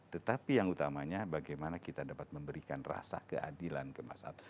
tetapi yang utamanya bagaimana kita dapat memberikan rasa keadilan ke masyarakat